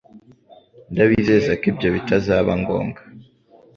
Ndabizeza ko ibyo bitazaba ngombwa